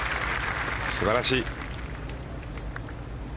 素晴らしい。